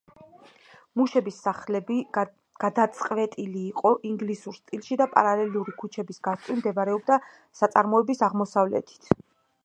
მუშების სახლები, გადაწყვეტილი იყო ინგლისურ სტილში და პარალელური ქუჩების გასწვრივ მდებარეობდა, საწარმოების აღმოსავლეთით.